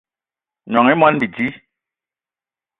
Gnong i moni bidi